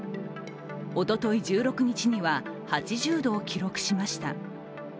おととい１６日には８０度を記録しました。